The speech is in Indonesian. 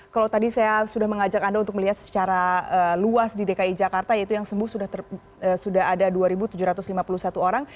kalau tadi saya sudah mengajak anda untuk melihat secara luas di dki jakarta yaitu yang sembuh sudah ada dua tujuh ratus lima puluh satu orang